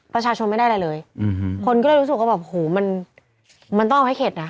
ประชาชนไม่ได้อะไรเลยคนก็เลยรู้สึกว่าแบบโหมันมันต้องเอาให้เข็ดนะ